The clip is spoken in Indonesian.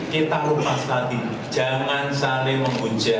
kita perlu berpaksa lagi jangan saling memuja